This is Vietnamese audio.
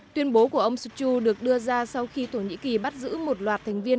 tuyên bố của ông suchu được đưa ra sau khi thổ nhĩ kỳ bắt giữ một loạt thành viên